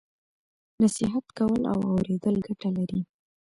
نصیحت کول او اوریدل ګټه لري.